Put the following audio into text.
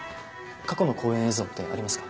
過去の公演映像ってありますか？